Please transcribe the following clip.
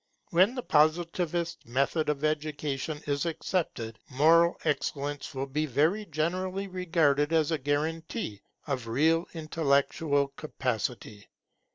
When the Positivist method of education is accepted, moral excellence will be very generally regarded as a guarantee of real intellectual capacity.